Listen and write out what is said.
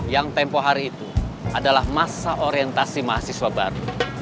yang tempoh hari itu adalah masa orientasi mahasiswa baru